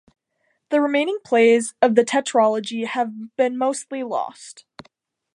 The remaining plays of the tetralogy have been mostly lost.